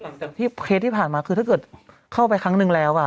อืมที่เคสที่ผ่านมาคือถ้าเกิดเข้าไปครั้งหนึ่งแล้วอ่ะ